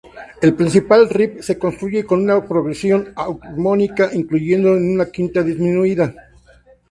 El principal riff se construye con una progresión armónica incluyendo una quinta disminuida.